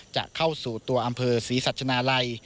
จะเข้าสู่ตัวอำเภอศรีสัชนาลัย